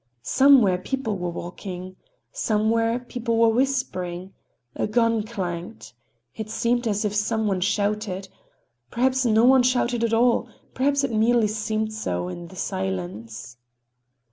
Somewhere people were walking. Somewhere people were whispering. A gun clanked. It seemed as if some one shouted. Perhaps no one shouted at all—perhaps it merely seemed so in the silence.